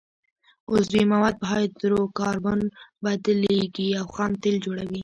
عضوي مواد په هایدرو کاربن بدلیږي او خام تیل جوړوي